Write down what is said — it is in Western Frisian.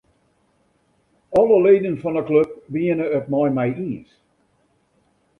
Alle leden fan 'e klup wiene it mei my iens.